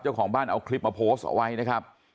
เจ้าของบ้านเอาคลิปมาโพสต์เอาไว้นะครับ